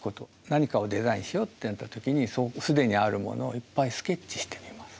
何かをデザインしようってなった時に既にあるものをいっぱいスケッチしてみます。